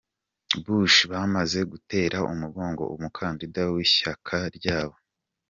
Bush bamaze gutera umugongo umukandida w’ishyaka ryabo.